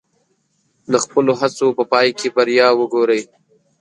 د خپلو هڅو په پای کې بریا وګورئ.